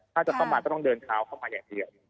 ถ้าจะสมัครก็ต้องเดินขาวเข้ามาอย่างเดียว